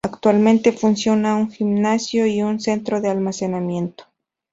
Actualmente funciona un gimnasio y un centro de almacenamiento.